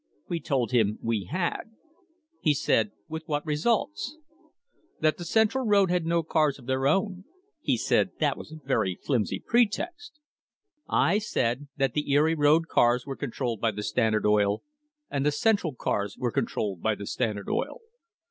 We told him we had. He said, with what results ? That the Central Road had no cars of their own. He said that was a very flimsy pretext. I said that the Erie road cars were controlled by the Standard Oil Company, and the Central cars were controlled by the Standard Oil Company.